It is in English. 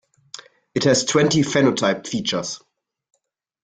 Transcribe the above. It has twenty phenotype features.